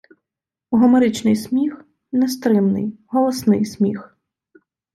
Гомеричний сміх - нестримний, голосний сміх